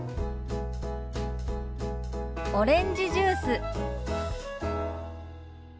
「オレンジジュース」。